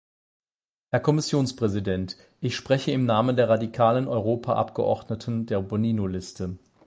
Herr Kommissionspräsident, ich spreche im Namen der radikalen Europaabgeordneten der Bonino-Liste.